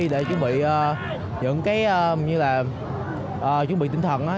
để chuẩn bị những cái như là chuẩn bị tinh thần đó